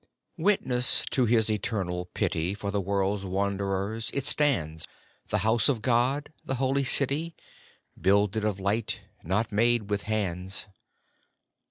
WITNESS to His eternal pity For the world's wanderers it stands, The House of God, the Holy City, Builded of light, not made with hands.